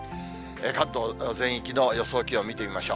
関東全域の予想気温見てみましょう。